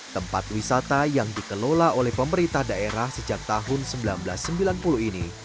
tempat wisata yang dikelola oleh pemerintah daerah sejak tahun seribu sembilan ratus sembilan puluh ini